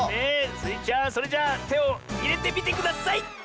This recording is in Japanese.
スイちゃんそれじゃあてをいれてみてください！